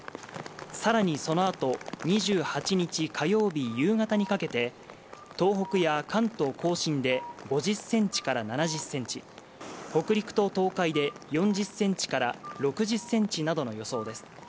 更に、そのあと２８日火曜日夕方にかけて東北や関東・甲信で５０ｃｍから７０ｃｍ北陸と東海で４０ｃｍから６０ｃｍなどの予想です。